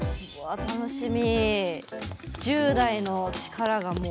楽しみ。